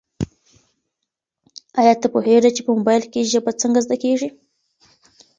ایا ته پوهېږې چي په موبایل کي ژبه څنګه زده کیږي؟